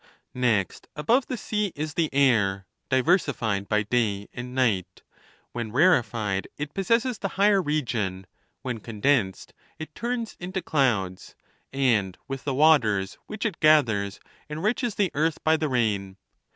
Next above the sea is the air, diversified by day and night: when rarefied, it possesses the higher region; when condensed, it turns into clouds, and with the waters which it gathers enriches the earth by the rain.